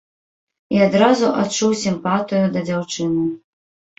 І адразу адчуў сімпатыю да дзяўчыны.